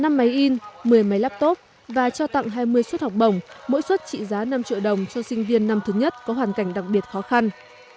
năm máy in một mươi máy laptop và trao tặng hai mươi suất học bổng mỗi suất trị giá năm triệu đồng cho sinh viên năm thứ nhất có hoàn cảnh đặc biệt khó khăn